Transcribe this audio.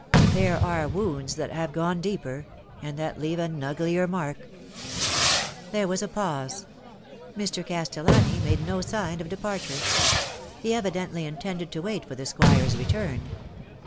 There are wounds that have gone deeper, and that leave an uglier mark." There was a pause. Mr. Castellani made no sign of departure. He evidently intended to wait for the Squire's return.